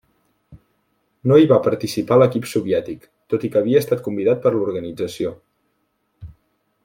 No hi va participar l'equip soviètic, tot i que havia estat convidat per l'organització.